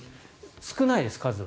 少ないです、数は。